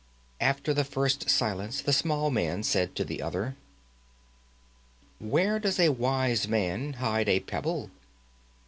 After the first silence the small man said to the other: "Where does a wise man hide a pebble?"